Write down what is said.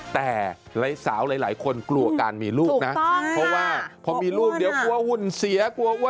แต่หลายสาวหลายคนกลัวการมีลูกนะเพราะว่าพอมีลูกเดี๋ยวกลัวหุ่นเสียกลัว